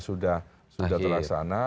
sudah telah selesai